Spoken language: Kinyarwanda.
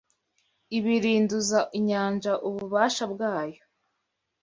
Ibirinduza inyanja ububasha bwayo